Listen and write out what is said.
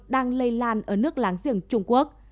đang lây lan ở nước láng giềng trung quốc